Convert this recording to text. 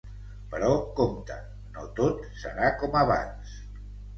Però, compte, no tot serà com abans.